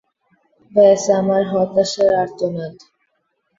ব্যস আমার হতাশার আর্তনাদ।